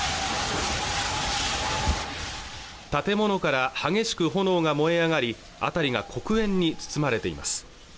建物から激しく炎が燃え上がり辺りが黒煙に包まれています